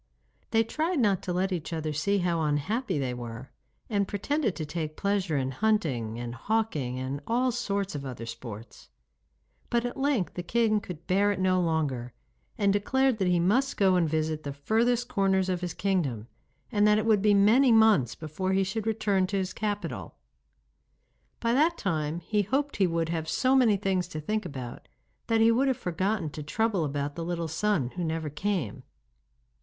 They tried not to let each other see how unhappy they were, and pretended to take pleasure in hunting and hawking and all sorts of other sports; but at length the king could bear it no longer, and declared that he must go and visit the furthest corners of his kingdom, and that it would be many months before he should return to his capital. By that time he hoped he would have so many things to think about that he would have forgotten to trouble about the little son who never came.